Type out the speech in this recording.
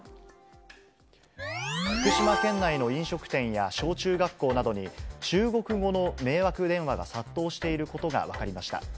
福島県内の飲食店や小中学校などに、中国語の迷惑電話が殺到していることが分かりました。